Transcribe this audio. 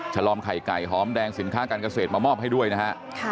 ฉลอมไข่ไก่หอมแดงสินค้าการเกษตรมามอบให้ด้วยนะฮะ